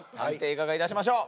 いかがいたしましょう？